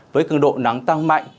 với cường độ nắng tăng mạnh